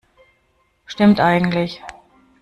Stimmt eigentlich.